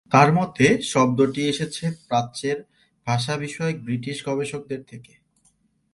তার মতে শব্দটি এসেছে প্রাচ্যের ভাষা বিষয়ক ব্রিটিশ গবেষকদের থেকে।